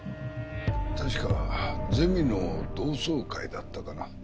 確かゼミの同窓会だったかな。